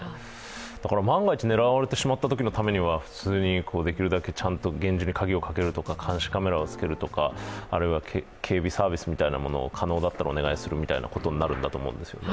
だから万が一狙われてしまったときのためには、普通に、ちゃんと厳重に鍵をかけるとか監視カメラをつけるとかあるいは警備サービスみたいなものを可能だったらお願いすることになると思うんですね。